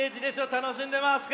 たのしんでますか？